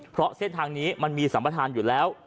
เพราะเส้นทางนี้มันมีสัมประธานอยู่แล้ว